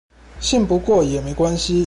信不過也沒關係